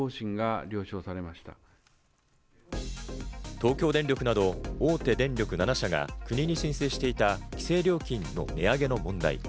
東京電力など大手電力７社が国に申請していた規制料金の値上げの問題。